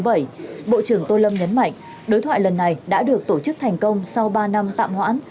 bộ trưởng tô lâm nhấn mạnh đối thoại lần này đã được tổ chức thành công sau ba năm tạm hoãn